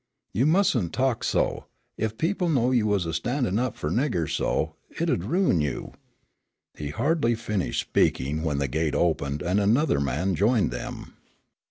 You mustn't talk so. Ef people knowed you wuz a standin' up fur niggers so, it 'ud ruin you." He had hardly finished speaking, when the gate opened, and another man joined them.